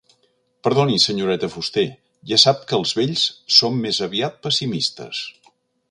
Perdoni, senyoreta Fuster, ja sap que els vells som més aviat pessimistes.